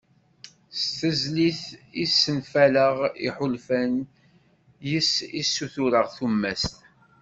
"S tezlit i d-senfalayeɣ iḥulfan, yis-s i ssutureɣ tumast."